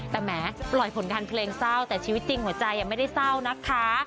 แต่แม้ปล่อยผลงานเพลงเศร้าแต่ชีวิตจริงหัวใจยังไม่ได้เศร้านะคะ